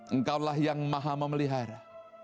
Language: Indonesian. engkaulah yang maha memelihara